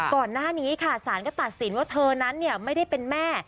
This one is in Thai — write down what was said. ก่อนหน้านี้ค่ะสารก็ตัดสินว่าเธอนั้นไม่ได้เป็นแม่